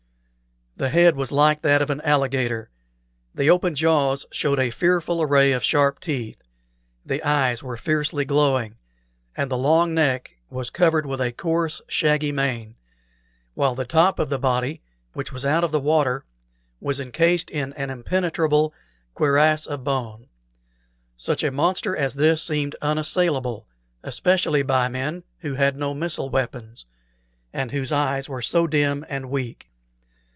The head was like that of an alligator, the open jaws showed a fearful array of sharp teeth, the eyes were fiercely glowing, the long neck was covered with a coarse, shaggy mane, while the top of the body, which was out of the water, was incased in an impenetrable cuirass of bone. Such a monster as this seemed unassailable, especially by men who had no missile weapons, and whose eyes were so dim and weak.